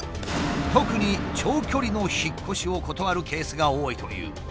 特に長距離の引っ越しを断るケースが多いという。